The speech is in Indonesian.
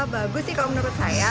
bagus sih kalau menurut saya